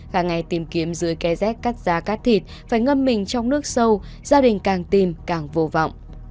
cả ngày tìm kiếm dưới ké rét cắt giá cắt thịt phải ngâm mình trong nước sâu gia đình càng tìm càng vô vọng